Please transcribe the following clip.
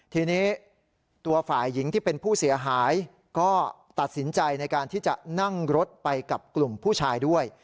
ทีนี้ตัวฝ่ายหญิงที่เป็นผู้เสียหายก็ตัดสินใจในการที่จะนั่งรถไปกับกลุ่มผู้ชายด้วย